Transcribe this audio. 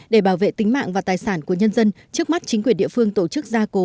để bảo vệ tính mạng và tài sản của nhân dân trước mắt chính quyền địa phương tổ chức gia cố